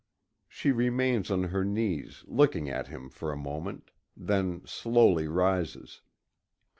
She remains on her knees, looking at him for a moment then slowly rises.